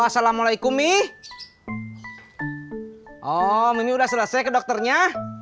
sampai jumpa di video selanjutnya